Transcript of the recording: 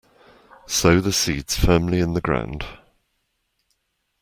Sow the seeds firmly in the ground.